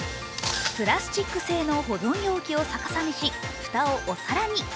プラスチック製の保存容器を逆さにし、蓋をお皿に。